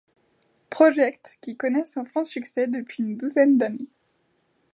Project qui connaissent un franc succès depuis une douzaine d'années.